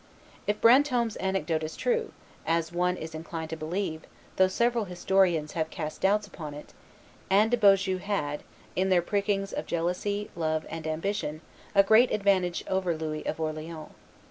If Brantome's anecdote is true, as one is inclined to believe, though several historians have cast doubts upon it, Anne de Beaujeu had, in their prickings of jealousy, love, and ambition, a great advantage over Louis of Orleans.